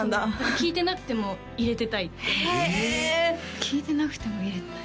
聴いてなくても入れてたいってへえ聴いてなくても入れてたい？